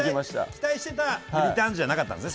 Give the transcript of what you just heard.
期待してたリターンズじゃなかったんですね。